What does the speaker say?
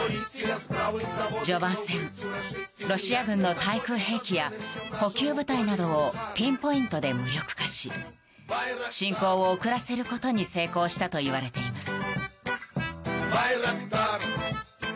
序盤戦、ロシア軍の対空兵器や補給部隊などをピンポイントで無力化し侵攻を遅らせることに成功したといわれています。